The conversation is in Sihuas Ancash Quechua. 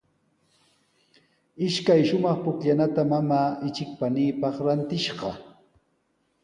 Ishkay shumaq pukllanata mamaa ichik paniipaq rantishqa.